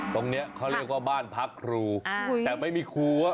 ตรงนี้เขาเรียกว่าบ้านพักครูแต่ไม่มีครัว